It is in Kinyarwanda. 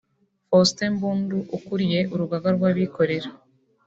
Faustin Mbundu ukuriye Urugaga rw’abikorera